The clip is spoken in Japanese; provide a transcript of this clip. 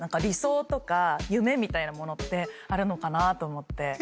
理想とか夢みたいなものってあるのかなと思って。